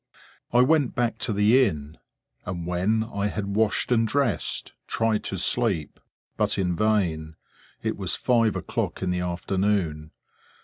I went back to the inn; and when I had washed and dressed, tried to sleep, but in vain, it was five o'clock in the afternoon.